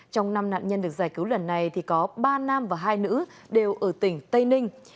trong năm nạn nhân được giải cứu lần này thì có ba nam và hai nữ đều ở tỉnh tây ninh